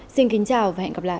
xin kính chào và hẹn gặp lại